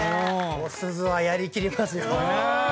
おすずはやり切りますよ。